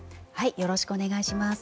よろしくお願いします。